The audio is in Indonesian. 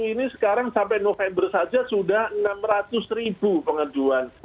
dua ribu dua puluh satu ini sekarang sampai november saja sudah enam ratus ribu pengaduan